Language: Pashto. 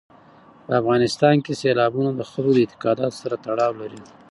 په افغانستان کې سیلابونه د خلکو د اعتقاداتو سره تړاو لري.